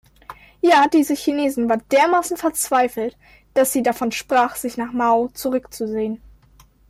Ja, diese Chinesin war dermaßen verzweifelt, dass sie davon sprach, sich nach Mao zurückzusehnen!